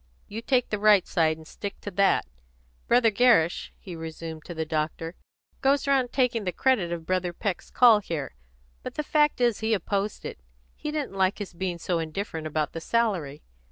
You take the right side, and stick to that. Brother Gerrish," he resumed, to the doctor, "goes round taking the credit of Brother Peck's call here; but the fact is he opposed it. He didn't like his being so indifferent about the salary.